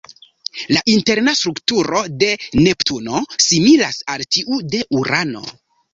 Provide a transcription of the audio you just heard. La interna strukturo de Neptuno similas al tiu de Urano.